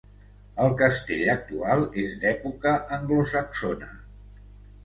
El castell actual és d'època anglosaxona.